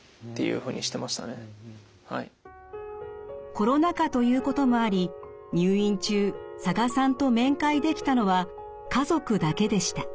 コロナ禍ということもあり入院中佐賀さんと面会できたのは家族だけでした。